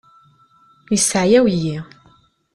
Yesseεyaw-iyi.